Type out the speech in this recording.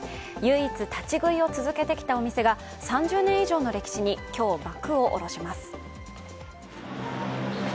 唯一立ち食いを続けてきたお店が３０年以上の歴史に今日、幕を下ろします。